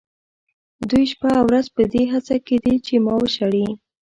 دوی شپه او ورځ په دې هڅه کې دي چې ما وشړي.